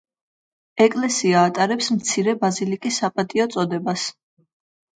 ეკლესია ატარებს „მცირე ბაზილიკის“ საპატიო წოდებას.